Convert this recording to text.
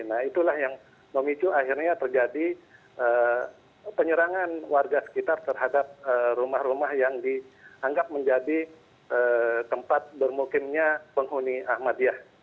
nah itulah yang memicu akhirnya terjadi penyerangan warga sekitar terhadap rumah rumah yang dianggap menjadi tempat bermukimnya penghuni ahmadiyah